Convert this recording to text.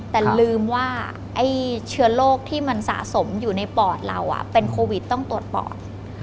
แต่ลืมว่าไอ้เชื้อโรคที่มันสะสมอยู่ในปอดเราเป็นโควิดต้องตรวจปอด